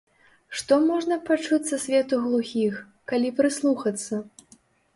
Што можна пачуць са свету глухіх, калі прыслухацца?